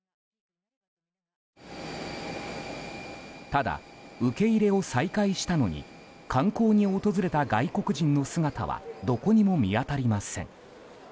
ただ、受け入れを再開したのに観光に訪れた外国人の姿はどこにも見当たりません。